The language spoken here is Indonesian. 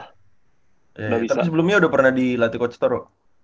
tapi sebelumnya udah pernah di latiko cetoro